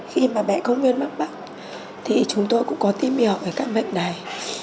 khi mà bẹ công nguyên mắc bắc thì chúng tôi cũng có tìm hiểu về căn bệnh này